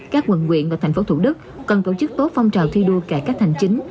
các quận quyện và thành phố thủ đức cần tổ chức tốt phong trào thi đua cải cách hành chính